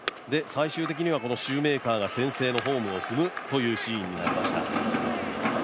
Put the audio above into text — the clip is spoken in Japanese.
最終的にはシューメーカーが先制のホームを踏むシーンでした。